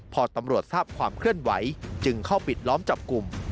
พอตำรวจทราบความเคลื่อนไหวจึงเข้าปิดล้อมจับกลุ่ม